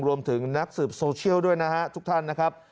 รวมถึงนักสืบโซเชียลด้วยนะฮะทุกท่านนะครับ